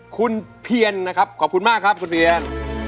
คุณเพียนนะครับขอบคุณมากครับคุณเพียน